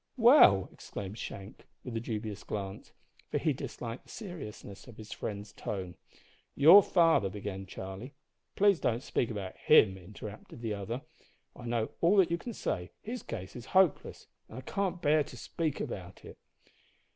"Well!" exclaimed Shank, with a dubious glance, for he disliked the seriousness of his friend's tone. "Your father " began Charlie. "Please don't speak about him," interrupted the other. "I know all that you can say. His case is hopeless, and I can't bear to speak about it."